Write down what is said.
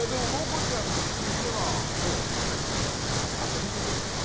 お店ですか？